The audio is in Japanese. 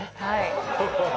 はい。